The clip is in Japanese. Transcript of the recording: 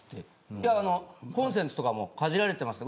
「いやあのコンセントとかもかじられてますよ。